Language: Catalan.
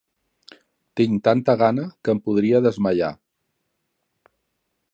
Tinc tanta gana que em podria desmaiar.